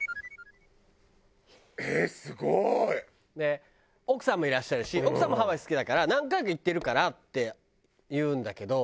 すごい！奥さんもいらっしゃるし奥さんもハワイ好きだから「何回か行ってるから」って言うんだけど。